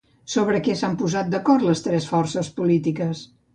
Sobre què s'han posat d'acord les tres forces polítiques?